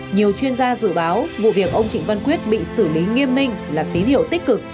nhiều chuyên gia dự báo vụ việc ông trịnh văn quyết bị xử lý nghiêm minh là tín hiệu tích cực